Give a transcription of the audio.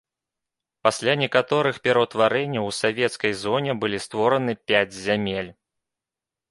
Пасля некаторых пераўтварэнняў у савецкай зоне былі створаны пяць зямель.